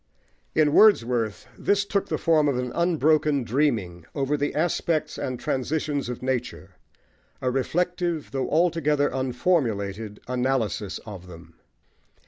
In Wordsworth this took the form of an unbroken dreaming over the aspects and transitions of nature a reflective, though altogether unformulated, analysis of them.